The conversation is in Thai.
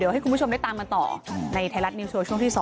เดี๋ยวให้คุณผู้ชมได้ตามมาต่อในไทยรัฐนิวชัวร์ช่วงที่๒